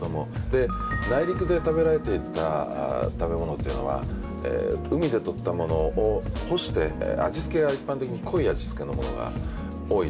で内陸で食べられてた食べ物っていうのは海で取ったものを干して味付けは一般的に濃い味付けのものが多いと。